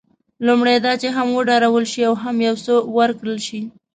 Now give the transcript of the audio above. لومړی دا چې هم وډارول شي او هم یو څه ورکړل شي.